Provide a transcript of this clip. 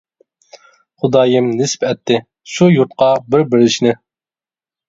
خۇدايىم نېسىپ ئەتتى، شۇ يۇرتقا بىر بېرىشنى.